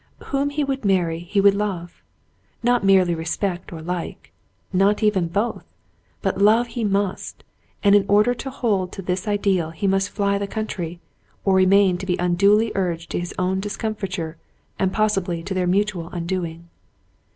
Whom he would, marry he would love. Not merely respect or like, — not even both, — but love he must ; and in order to hold to this ideal he must fly the country, or remain to be unduly urged to his own discomfiture and possibly to their mutual undoing.